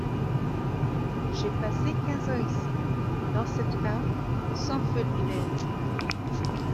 J’ai passé quinze ans ici, dans cette cave, sans feu l’hiver.